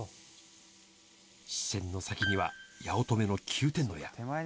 視線の先には八乙女の９点の矢。